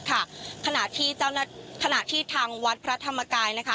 ขณะที่ทางทางวัดพระธรรมกาย